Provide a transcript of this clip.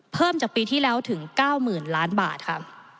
เพิ่มจากปีที่แล้วถึง๙๐๐๐ล้านบาทค่ะ